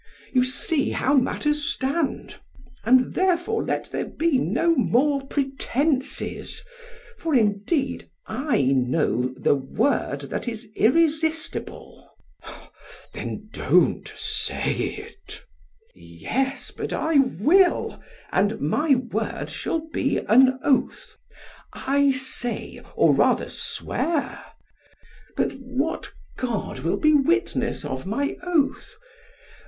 PHAEDRUS: You see how matters stand; and therefore let there be no more pretences; for, indeed, I know the word that is irresistible. SOCRATES: Then don't say it. PHAEDRUS: Yes, but I will; and my word shall be an oath. 'I say, or rather swear' but what god will be witness of my oath?